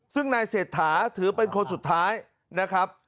ซึ่งนายเศรษฐาถือเป็นคนสุดท้ายนะครับ